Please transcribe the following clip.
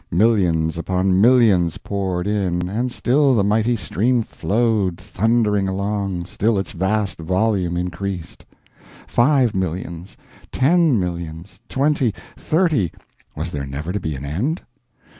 Millions upon millions poured in, and still the mighty stream flowed thundering along, still its vast volume increased. Five millions ten millions twenty thirty was there never to be an end?